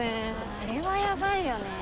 アレはヤバいよね。